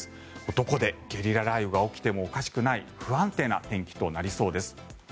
どこでゲリラ雷雨が起きてもおかしくない不安定な天気となりそうです。